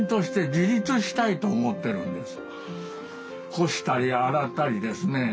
干したり洗ったりですね